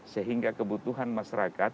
sehingga kebutuhan masyarakat